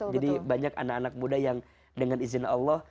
jadi banyak anak anak muda yang dengan izin allah